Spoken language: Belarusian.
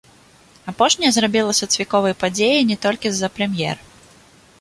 Апошняя зрабілася цвіковай падзеяй не толькі з-за прэм'еры.